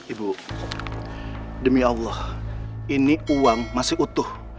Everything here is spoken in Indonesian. ibu demi allah ini uang masih utuh